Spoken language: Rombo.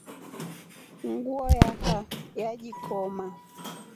Nguo yafa yajikoma.